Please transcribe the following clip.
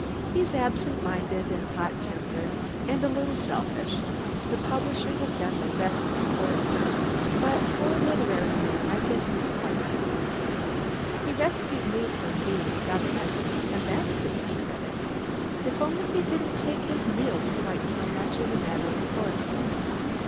"He's absentminded, and hot tempered, and a little selfish. The publishers have done their best to spoil him, but for a literary man I guess he's quite human. He rescued me from being a governess, and that's to his credit. If only he didn't take his meals quite so much as a matter of course...."